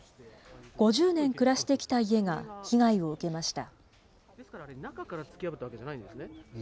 ５０年暮らしてきた家が被害を受けました。